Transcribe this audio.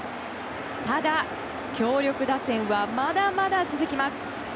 ただ、強力打線はまだまだ続きます。